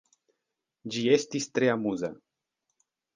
Ĝi estis tre amuza.